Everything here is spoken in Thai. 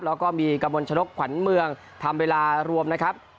แล้วก็มีกระมวลชนกขวัญเมืองทำเวลารวมนะครับ